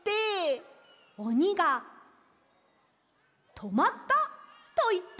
おにが「とまった」といったら。